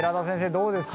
どうですか？